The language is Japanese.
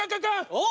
おっ。